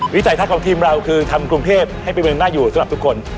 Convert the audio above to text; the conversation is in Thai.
วิจัยทักของทีมเราคือทำกรุงเทพให้เป็นหน้าอยู่สำหรับทุกคน